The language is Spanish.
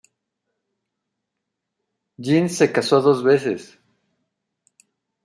Jeans se casó dos veces.